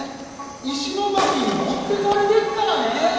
石巻に持ってがれでっからねえ！